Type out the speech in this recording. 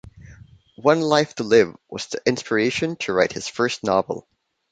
"One Life to Live" was the inspiration to write his first novel.